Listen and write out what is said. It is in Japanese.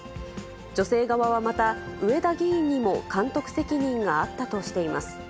女性側はまた、上田議員にも監督責任があったとしています。